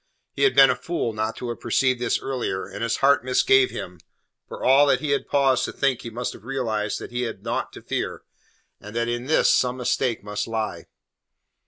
He had been a fool not to have perceived this earlier, and his heart misgave him, for all that had he paused to think he must have realized that he had naught to fear, and that in this some mistake must lie.